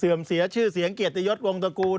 เสียชื่อเสียงเกียรติยศวงตระกูล